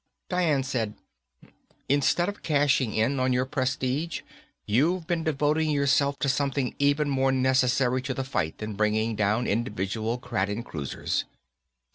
Dian said, "Instead of cashing in on your prestige, you've been devoting yourself to something even more necessary to the fight than bringing down individual Kraden cruisers."